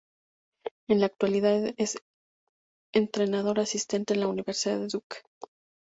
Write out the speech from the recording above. En la actualidad es entrenador asistente en la Universidad de Duke.